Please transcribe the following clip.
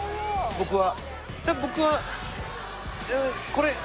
僕は。